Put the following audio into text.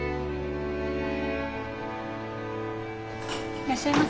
いらっしゃいませ。